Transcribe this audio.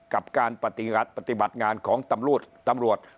กับการปฏิบัติงานของตำรวจ